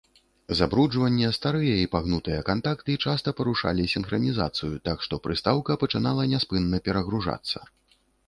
Забруджванне, старыя і пагнутыя кантакты часта парушалі сінхранізацыю, так што прыстаўка пачынала няспынна перагружацца.